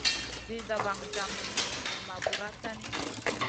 Zida vaŋ jami nen ma bura tahni.